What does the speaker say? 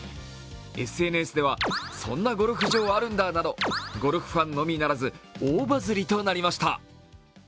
ＳＮＳではそんなゴルフ場あるんだなどゴルフファンのみならず、大バズリとなりました。